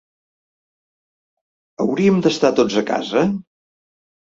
Hauríem d’estar tots a casa?